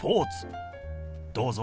どうぞ。